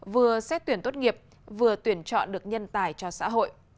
vừa xét tuyển tốt nghiệp vừa tuyển chọn được nhân tài cho xã hội